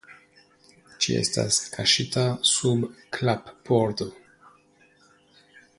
Ĝi estas kaŝita sub klappordo.